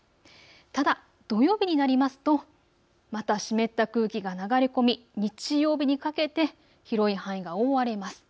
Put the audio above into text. ただ土曜日になりますとまた湿った空気が流れ込み日曜日にかけて広い範囲が覆われます。